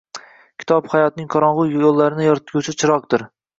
Kitob hayotning qorong‘i yo‘llarini yorituvchi chiroqdir.